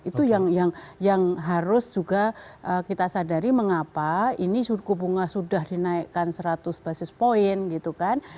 itu yang harus juga kita sadari mengapa ini suku bunga sudah dinaikkan seratus basis point gitu kan